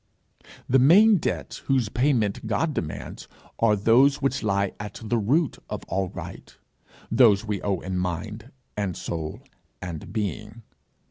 The main debts whose payment God demands are those which lie at the root of all right, those we owe in mind, and soul, and being.